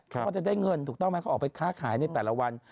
เขาก็จะได้เงินถูกต้องไหมเขาออกไปค้าขายในแต่ละวัน